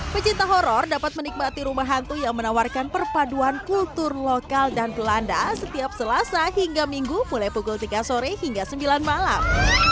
pecinta horror dapat menikmati rumah hantu yang menawarkan perpaduan kultur lokal dan belanda setiap selasa hingga minggu mulai pukul tiga sore hingga sembilan malam